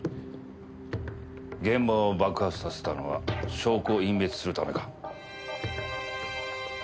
現場を爆発させたのは証拠を隠滅するためか？